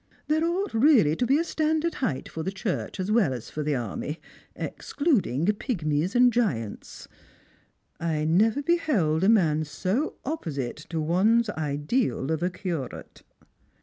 There ought really to be a standard height for the Church as well as for the army, excluding pigmies and giants. I never beheld a man so opposite to one's ideal of a curate."